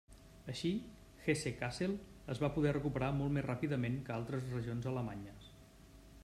Així, Hesse-Kassel es va poder recuperar molt més ràpidament que altres regions alemanyes.